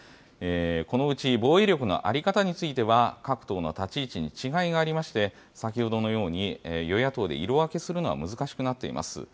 このうち防衛力の在り方については、各党の立ち位置に違いがありまして、先ほどのように、与野党で色分けするのは難しくなっています。